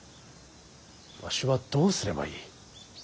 わしはどうすればいい。